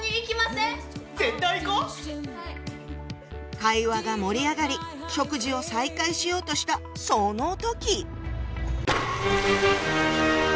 会話が盛り上がり食事を再開しようとしたその時！